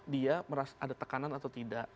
dia merasa ada tekanan atau tidak